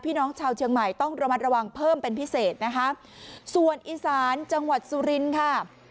น้องชาวเชียงใหม่ต้องระมัดระวังเพิ่มเป็นพิเศษนะคะส่วนอีสานจังหวัดสุรินทร์ค่ะ